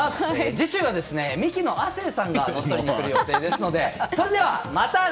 次週はミキの亜生さんが乗っ取りに来る予定ですので。